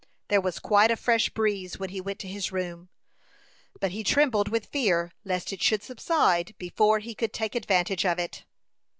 There was quite a fresh breeze when he went to his room; but he trembled with fear lest it should subside before he could take advantage of it.